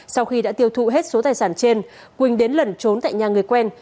sau khi đã tiêu thụ hết số tài sản trên quỳnh đến lẩn trốn tại nhà người quen